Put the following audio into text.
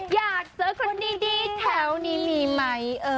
อยากเจอคนดีแถวนี้มีไหม